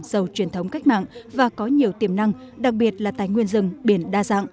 giàu truyền thống cách mạng và có nhiều tiềm năng đặc biệt là tài nguyên rừng biển đa dạng